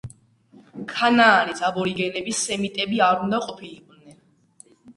ქანაანის აბორიგენები სემიტები არ უნდა ყოფილიყვნენ.